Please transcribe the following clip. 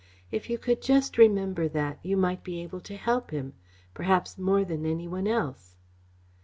If you could just remember that, you might be able to help him, perhaps more than any one else."